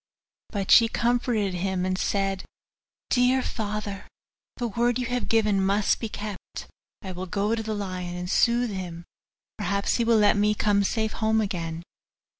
But she comforted him, and said, 'Dear father, the word you have given must be kept; I will go to the lion, and soothe him: perhaps he will let me come safe home again.